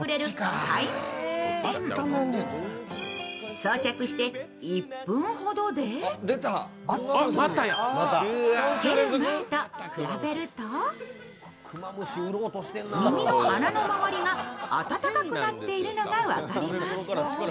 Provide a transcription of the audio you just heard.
装着して１分ほどでつける前と比べると耳の穴の周りが暖かくなっているのが分かります。